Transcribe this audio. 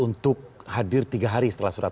untuk hadir tiga hari setelah surat